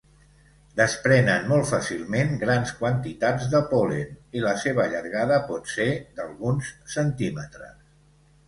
Desprenen molt fàcilment grans quantitats de pol·len i la seva llargada pot ser d'alguns centímetres.